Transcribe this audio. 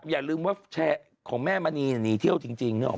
อย่าลืมว่าแชร์ของแม่มณีหนีเที่ยวจริงนึกออก